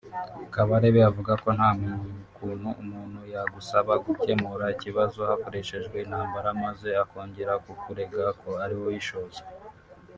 Kabarebe avuga ko nta kuntu umuntu yagusaba gukemura ikibazo hakoreshejwe intambara maze akongera kukurega ko ari wowe uyishoza